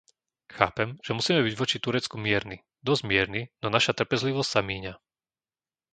Chápem, že musíme byť voči Turecku mierni, dosť mierni, no naša trpezlivosť sa míňa.